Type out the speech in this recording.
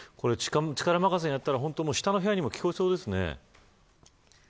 力任せにやると下の部屋にも聞こえそうですね。